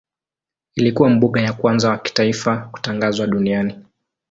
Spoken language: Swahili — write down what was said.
Ilikuwa mbuga ya kwanza wa kitaifa kutangazwa duniani.